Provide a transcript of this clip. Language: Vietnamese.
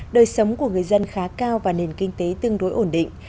đời sống của người dân khá cao và nền kinh tế tương đối ổn định